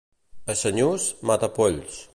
A Senyús, matapolls.